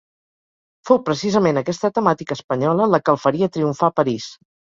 Fou precisament aquesta temàtica espanyola, la que el faria triomfar a París.